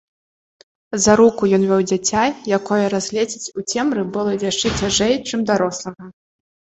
За руку ён вёў дзіця, якое разгледзець у цемры было яшчэ цяжэй, чым дарослага.